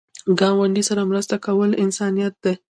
ګاونډي سره مرسته کول انسانیت دی